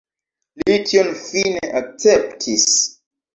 Li tion fine akceptis.